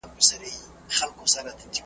د دې مبارکې ورځي .